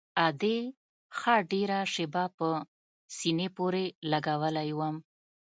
ادې ښه ډېره شېبه په سينې پورې لګولى وم.